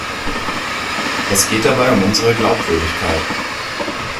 Es geht dabei um unsere Glaubwürdigkeit.